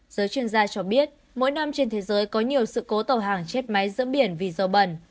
giới chuyên gia cho biết mỗi năm trên thế giới có nhiều sự cố tàu hàng chết máy giữa biển vì dầu bẩn